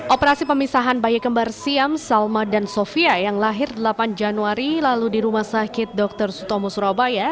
operasi pemisahan bayi kembar siam salma dan sofia yang lahir delapan januari lalu di rumah sakit dr sutomo surabaya